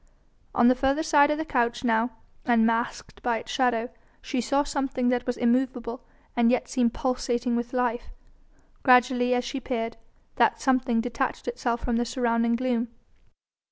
On the further side of the couch now and masked by its shadow, she saw something that was immovable and yet seemed pulsating with life. Gradually as she peered, that something detached itself from the surrounding gloom.